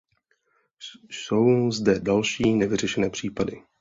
Jsou zde další nevyřešené případy.